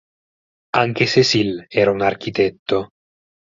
Anche Cecile era un architetto.